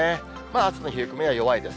朝の冷え込みは弱いです。